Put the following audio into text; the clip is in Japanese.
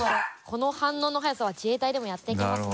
この反応の速さは自衛隊でもやっていけますね。